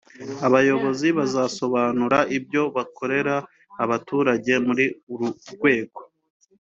abayobozi bazasobanura ibyo bakorera abaturage muri uru rwego